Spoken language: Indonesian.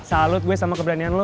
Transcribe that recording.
salut gue sama keberanian lo